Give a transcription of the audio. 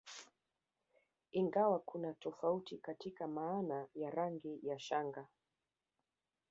Ingawa kuna tofauti katika maana ya rangi ya shanga